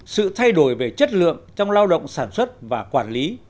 sự thay đổi về chất lượng trong lao động sản xuất và quản lý